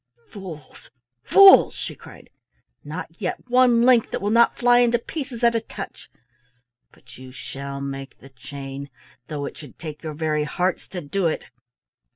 "Fools! fools!" she cried. "Not yet one link that will not fly into pieces at a touch. But you shall make the chain, though it should take your very hearts to do it."